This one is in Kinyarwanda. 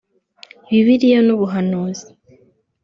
Bibiliya n'Ubuhanuzi